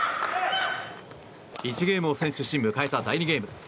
１ゲームを先取し迎えた第２ゲーム。